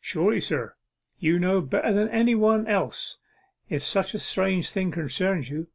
'Surely, sir, you know better than anybody else if such a strange thing concerns you.